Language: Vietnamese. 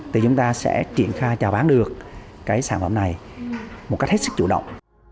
thì chúng ta sẽ triển khai trả bán được cái sản phẩm này một cách hết sức chủ động